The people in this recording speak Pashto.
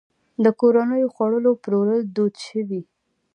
د کورنیو خوړو پلورل دود شوي؟